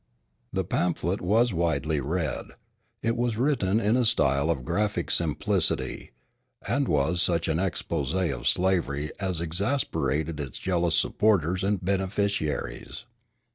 The pamphlet was widely read. It was written in a style of graphic simplicity, and was such an exposé of slavery as exasperated its jealous supporters and beneficiaries.